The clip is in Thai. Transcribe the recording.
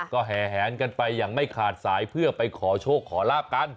ก็แห่แหนกันไปอย่างไม่ขาดสายเพื่อไปขอโชคขอลาบกัน